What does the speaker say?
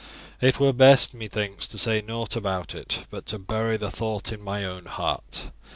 It were best, methinks, to say nought about it, but to bury the thought in my own heart.